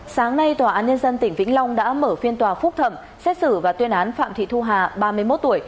sáng nay tòa án nhân dân tỉnh vĩnh long đã mở phiên tòa phúc thẩm xét xử và tuyên án phạm thị thu hà ba mươi một tuổi